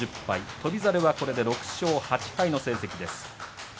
翔猿がこれで６勝８敗の成績です。